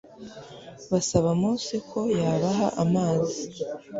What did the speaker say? basaba Mose ko yabaha amazi